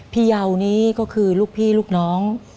เยานี่ก็คือลูกพี่ลูกน้อง